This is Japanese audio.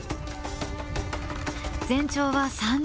全長は３０ｃｍ。